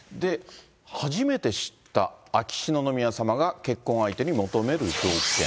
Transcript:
初めて知った秋篠宮さまが結婚相手に求める条件。